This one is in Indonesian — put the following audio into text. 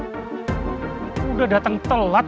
gue dateng telat